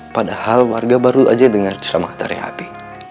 padahal warga baru aja dengar cilang maktarnya abi